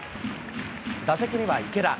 打席には池田。